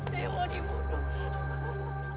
saya mau dibunuh